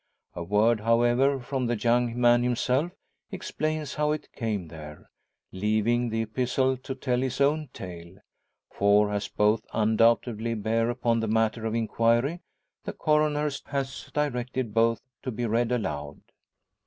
A word, however, from the young man himself explains how it came there, leaving the epistle to tell its own tale. For as both undoubtedly bear upon the matter of inquiry, the Coroner has directed both to be read aloud.